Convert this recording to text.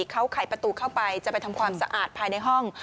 เขาไขประตูเข้าไปจะไปทำความสะอาดภายในห้อง